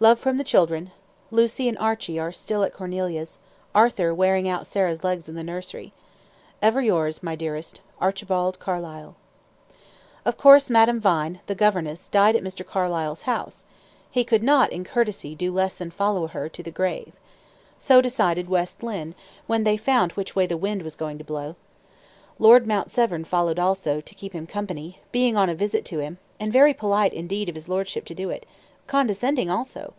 "Love from the children. Lucy and Archie are still at Cornelia's; Arthur wearing out Sarah's legs in the nursery. "Ever yours, my dearest, "ARCHIBALD CARLYLE." Of course, as Madame Vine, the governess, died at Mr. Carlyle's house, he could not, in courtesy, do less than follow her to the grave. So decided West Lynne, when they found which way the wind was going to blow. Lord Mount Severn followed also, to keep him company, being on a visit to him, and very polite, indeed, of his lordship to do it condescending, also!